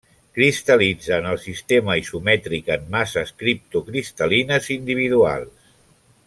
Cristal·litza en el sistema isomètric en masses criptocristal·lines individuals.